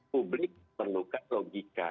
publik perlukan logika